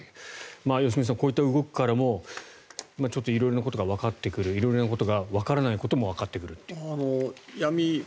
良純さん、こういった動きからも色々なことがわかってくる色々なことが、わからないこともわかってくるという。